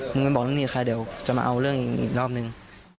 ถ้าไม่บอกเรื่องนี้กับใครเดี๋ยวจะมาเอาเรื่องอีกรอบหนึ่ง